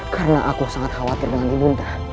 karena aku sangat khawatir dengan ibu